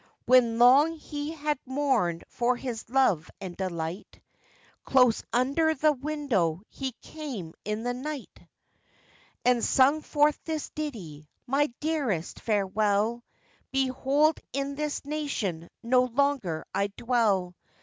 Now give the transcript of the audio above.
When long he had mourned for his love and delight, Close under the window he came in the night, And sung forth this ditty:—'My dearest, farewell! Behold, in this nation no longer I dwell.